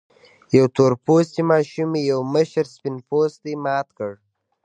يوې تور پوستې ماشومې يو مشر سپين پوستي مات کړ.